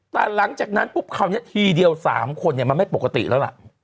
แต่หลังจากนั้นทีเดียว๓คนมันไม่ปกติแล้วล่ะ